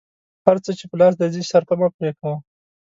هر څه چې په لاس درځي صرفه مه پرې کوه.